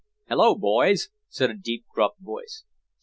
"Hello, boys," said a deep gruff voice.